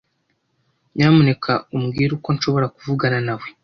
Nyamuneka umbwire uko nshobora kuvugana nawe.